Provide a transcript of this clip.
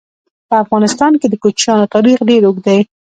په افغانستان کې د کوچیانو تاریخ ډېر اوږد دی.